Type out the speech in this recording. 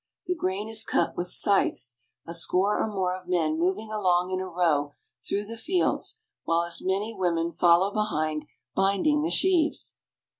The grain is cut with scythes, a score or more of men moving along in a row through the fields, while as many women follow behind, binding the sheaves.